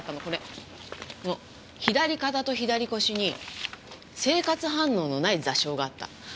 この左肩と左腰に生活反応のない挫傷があった。